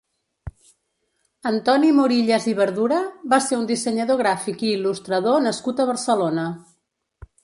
Antoni Morillas i Verdura va ser un dissenyador gràfic i il·lustrador nascut a Barcelona.